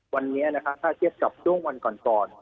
วันนี้นะคะถ้าเทียบกับช่วงวันก่อน